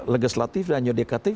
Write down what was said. legislatif dan yudikatif